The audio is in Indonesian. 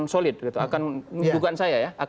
solid akan menjugaan saya